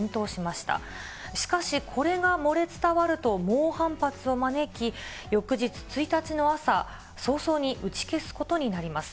しかし、これが漏れ伝わると、猛反発を招き、翌日１日の朝、早々に打ち消すことになります。